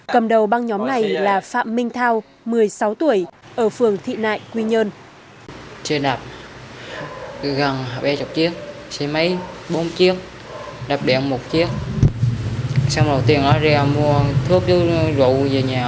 cầm đầu băng nhóm này là phạm minh thao một mươi sáu tuổi ở phường thị nại quy nhơn